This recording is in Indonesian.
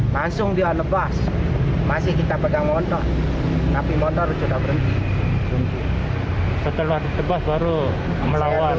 langsung dia lepas masih kita pegang motor tapi motor sudah berhenti setelah tebas baru melawan